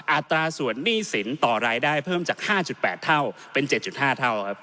อัตราส่วนหนี้สินต่อรายได้เพิ่มจาก๕๘เท่าเป็น๗๕เท่าครับ